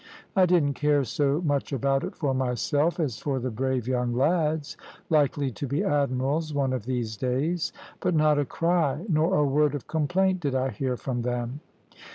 I didn't care so much about it for myself as for the brave young lads, likely to be admirals one of these days; but not a cry nor a word of complaint did I hear from them.